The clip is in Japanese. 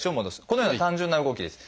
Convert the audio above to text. このような単純な動きです。